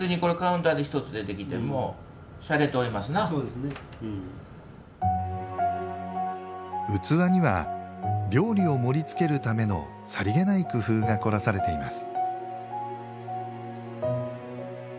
別に器には料理を盛りつけるためのさりげない工夫が凝らされています